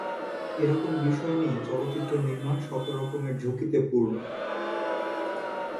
এ রকম বিষয় নিয়ে চলচ্চিত্র নির্মাণ শত রকমের ঝুঁকিতে পূর্ণ।